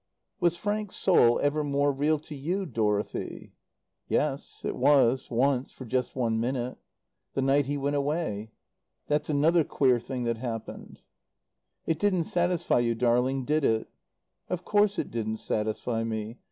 "Was Frank's soul ever more real to you, Dorothy?" "Yes. It was once for just one minute. The night he went away. That's another queer thing that happened." "It didn't satisfy you, darling, did it?" "Of course it didn't satisfy me.